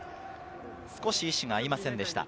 少し意思が合いませんでした。